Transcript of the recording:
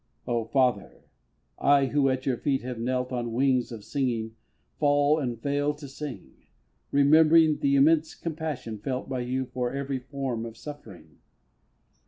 O Father! I who at your feet have knelt, On wings of singing fall, and fail to sing, Remembering the immense compassion felt By you for every form of suffering.